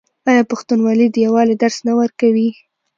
آیا پښتونولي د یووالي درس نه ورکوي؟